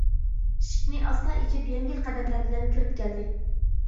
ئىشىكنى ئاستا ئېچىپ، يەڭگىل قەدەملەر بىلەن كىرىپ كەلدى.